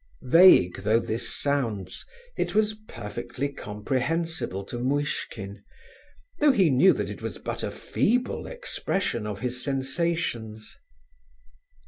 Vague though this sounds, it was perfectly comprehensible to Muishkin, though he knew that it was but a feeble expression of his sensations.